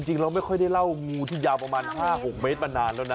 เราไม่ค่อยได้เล่างูที่ยาวประมาณ๕๖เมตรมานานแล้วนะ